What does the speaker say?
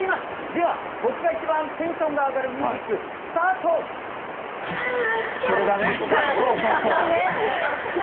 では、僕が一番テンションが上がるミュージック、それだね、